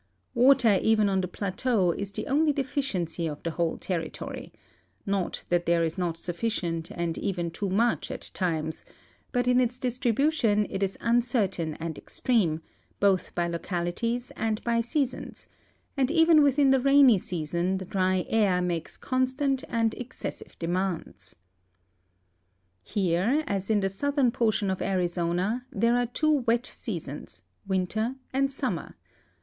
Water even on the plateau is the one deficiency of the wliole territory ; not that there is not sufficient and even too much at times, but in its distribution it is uncertain and extreme, both by localities and by seasons, and even within the rainy season the dry air makes constant and excessive demands. Here, as in the southern portion of Arizona, there are two wet seasons, winter and summer.